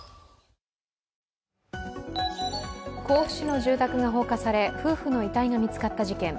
甲府市の住宅が放火され夫婦の遺体が見つかった事件。